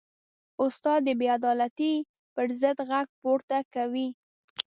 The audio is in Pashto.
استاد د بېعدالتۍ پر ضد غږ پورته کوي.